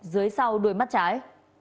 dưới sau đuôi mắt trái